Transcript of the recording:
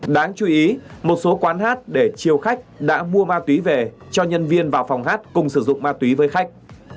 đáng chú ý một số quán hát để chiêu khách đã mua ma túy về cho nhân viên vào phòng hát cùng sử dụng ma túy với khách